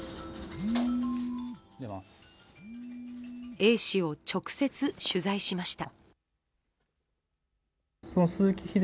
Ａ氏を直接取材しました。